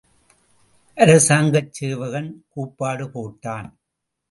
அரசாங்கச் சேவகன் கூப்பாடு போட்டான்.